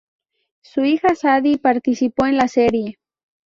Su hija Sadie participó en la serie.